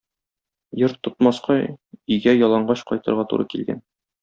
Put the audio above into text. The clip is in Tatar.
Йорт тотмаска өйгә ялангач кайтырга туры килгән.